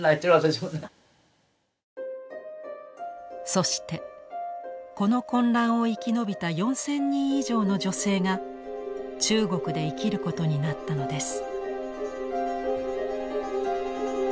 そしてこの混乱を生き延びた４，０００人以上の女性が中国で生きることになったのです。